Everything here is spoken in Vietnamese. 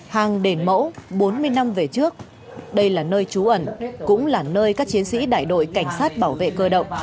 hàng đền mẫu bốn mươi năm về trước đây là nơi trú ẩn cũng là nơi các chiến sĩ đại đội cảnh sát bảo vệ cơ động